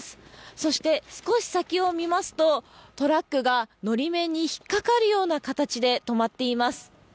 そして、少し先を見ますとトラックが法面に引っかかるような形で止まっています。